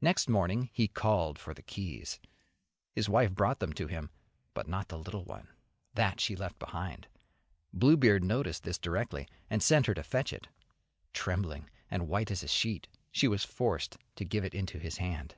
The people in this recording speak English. Next morning he called for the keys; his wife brought them to him, but not the little one; that she left behind. Bluebeard noticed this directly and sent her to fetch it. Trembling, and white as a sheet, she was forced to give it into his hand.